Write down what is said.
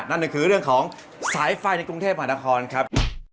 นั่นก็คือเรื่องของสายไฟในกรุงเทพหานครครับ